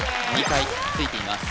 ２回ついています